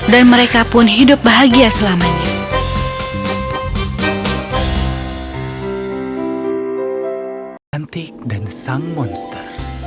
dan mereka pun hidup bahagia selamanya